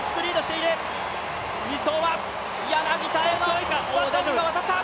２走、柳田へのバトンが渡った。